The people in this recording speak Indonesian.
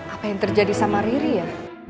apa yang terjadi sama riri ya